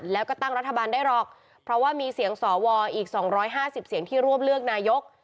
แล้วก็ตั้งรัฐบาลได้รอบเพราะว่ามีเสียงสอวออีกสองร้อยห้าสิบเสียงที่รวบเลือกนายก